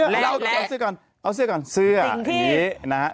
เอาเสื้อก่อนเอาเสื้อก่อนเสื้อนี้นะครับ